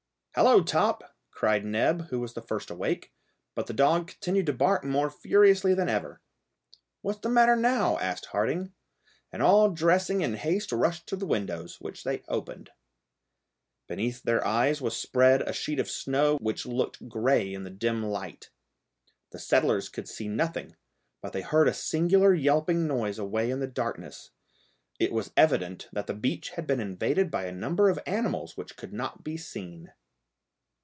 "Hallo, Top!" cried Neb, who was the first awake. But the dog continued to bark more furiously than ever. "What's the matter now?" asked Harding. And all dressing in haste rushed to the windows, which they opened. Beneath their eyes was spread a sheet of snow which looked grey in the dim light. The settlers could see nothing, but they heard a singular yelping noise away in the darkness. It was evident that the beach had been invaded by a number of animals which could not be seen.